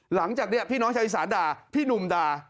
หลังจากนี้พี่น้องชาวอีสานด่าพี่หนุ่มด่า